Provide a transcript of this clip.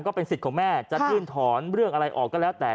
ก็เป็นสิทธิ์ของแม่จะยื่นถอนเรื่องอะไรออกก็แล้วแต่